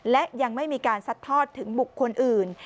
และยังไม่มีการซัดทอดถึงบุคคลอื่น